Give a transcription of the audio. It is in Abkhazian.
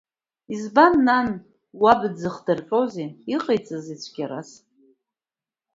Избан, нан, уаб дзыхдырҟьозеи, иҟаиҵазеи цәгьарас?